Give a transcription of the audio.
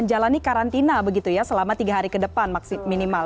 menjalani karantina begitu ya selama tiga hari ke depan minimal